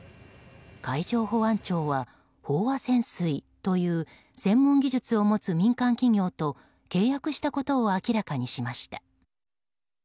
海上保安庁は飽和潜水という専門技術を持つ民間企業と契約したことを明らかにしました。